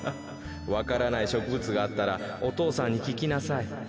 わからないしょくぶつがあったらお父さんにききなさい。